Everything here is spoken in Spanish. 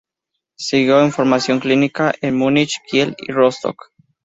Siguió con su formación clínica en Múnich, Kiel y Rostock.